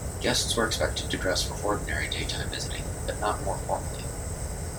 Guests were expected to dress for ordinary daytime visiting, but not more formally.